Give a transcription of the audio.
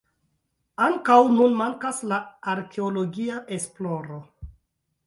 Ankaŭ nun mankas la arkeologia esploro.